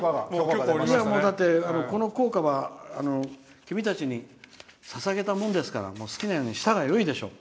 この校歌は、君たちにささげたもんですから好きなようにしたらいいでしょう。